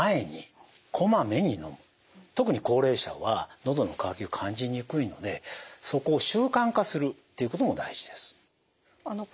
特に高齢者はのどの渇きを感じにくいのでそこを習慣化するっていうことも大事です。